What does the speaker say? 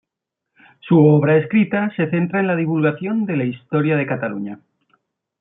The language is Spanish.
Su obra escrita se centra en la divulgación de la historia de Cataluña.